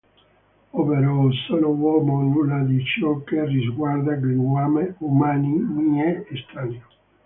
Ovvero: "Sono uomo, nulla di ciò che riguarda gli umani mi è estraneo".